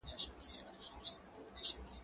زه به کښېناستل کړي وي؟